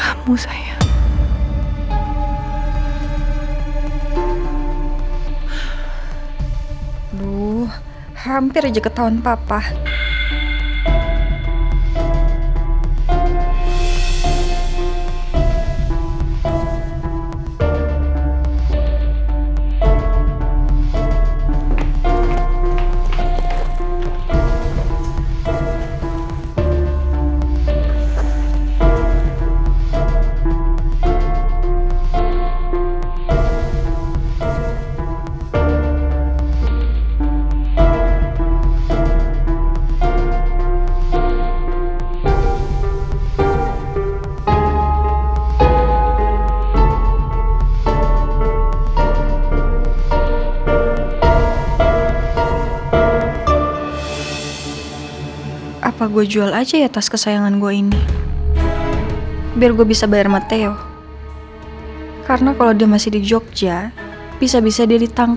itu akan bergulir menimpa kamu sayang